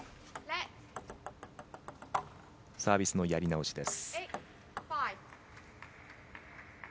サービスのやり直しです。